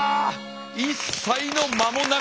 一切の間もなく！